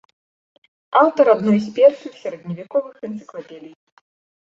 Аўтар адной з першых сярэдневяковых энцыклапедый.